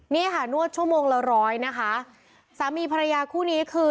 นี่ค่ะนวดชั่วโมงละร้อยนะคะสามีภรรยาคู่นี้คือ